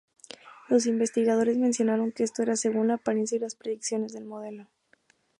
Los investigadores mencionaron que esto era según la apariencia y las predicciones del modelo.